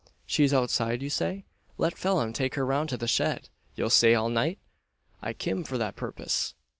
"She's outside, you say? Let Phelim take her round to the shed. You'll stay all night?" "I kim for that purpiss.